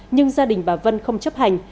nhưng gia đình bà vân không chấp hành